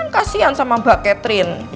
kan kasihan sama mbak catherine